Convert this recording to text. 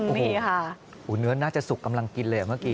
หงูเหนือน่าจะสุกกำลังเมื่อกี้